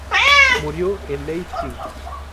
Murió en Leipzig.